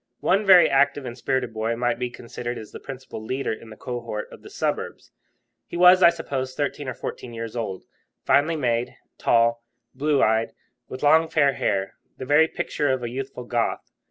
One very active and spirited boy might be considered as the principal leader in the cohort of the suburbs. He was, I suppose, thirteen or fourteen years old, finely made, tall, blue eyed, with long fair hair, the very picture of a youthful Goth.